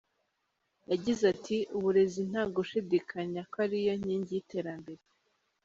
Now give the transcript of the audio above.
Yagize ati “Uburezi nta gushidikanya ko ari yo nkingi y’iterambere.